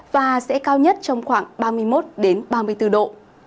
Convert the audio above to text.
và sẽ cao nhất trong khoảng ba mươi một ba mươi bốn độ